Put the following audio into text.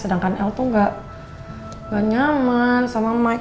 sedangkan el tuh gak nyaman sama mike